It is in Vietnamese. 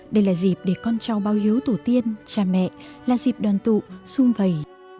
đây là dịp để con trao bao hiếu tổ tiên cha mẹ là dịp đoàn tụ sung vầy